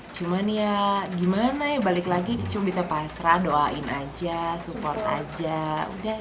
cuman ya gimana ya balik lagi cuma bisa pasrah doain aja support aja udah